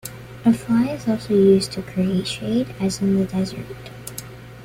A fly is also used to create shade as in the desert.